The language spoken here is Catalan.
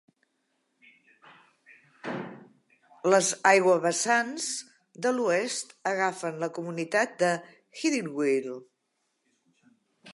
Les aiguavessants de l'oest agafen la comunitat de Idyllwild.